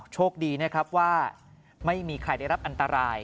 โชคดีนะครับว่าไม่มีใครได้รับอันตราย